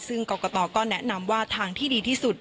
ซึ่งกรกตก็แนะนำว่าทางที่ดีที่สุด